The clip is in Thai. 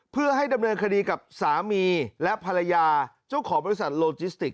เพื่อให้ดำเนินคดีกับสามีและภรรยาเจ้าของบริษัทโลจิสติก